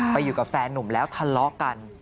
อยู่กับแฟนนุ่มแล้วทะเลาะกัน